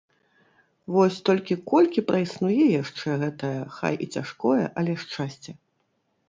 Вось толькі колькі праіснуе яшчэ гэтае, хай і цяжкое, але шчасце?